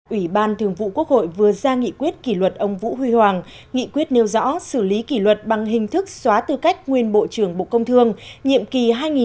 ủy ban thường vụ quốc hội vừa ra nghị quyết kỷ luật ông vũ huy hoàng nghị quyết nêu rõ xử lý kỷ luật bằng hình thức xóa tư cách nguyên bộ trưởng bộ công thương nhiệm kỳ hai nghìn một mươi sáu hai nghìn hai mươi một